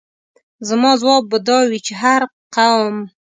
زما ځواب به دا وي چې هر قوم.